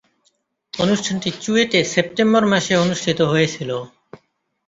অনুষ্ঠানটি চুয়েটে সেপ্টেম্বর মাসে অনুষ্ঠিত হয়েছিলো।